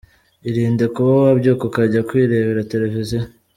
Irinde kuba wabyuka ukajya kwirebera Television.